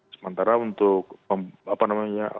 sementara untuk apa namanya